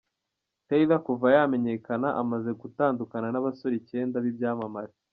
Taylor kuva yamenyekana, amaze gutandukana n’abasore icyenda b’ibyamamare.